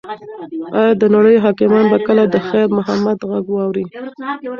ایا د نړۍ حاکمان به کله د خیر محمد غږ واوري؟